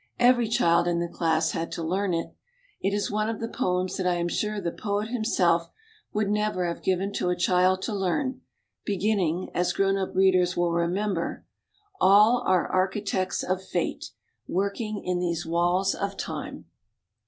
Every child in the class had to learn it. It is one of the poems that I am sure the poet himself would never have given to a child to learn, beginning, as grown up readers will remember: "All are Architects of Fate Working in these walls of Time."